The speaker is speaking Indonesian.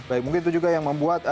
baik mungkin itu juga yang membuat